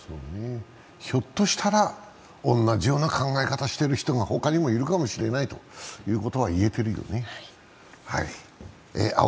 ひょっとしたら同じような考え方している人が他にもいるかもしれないということは言えているよね。